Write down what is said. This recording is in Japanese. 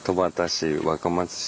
市若松市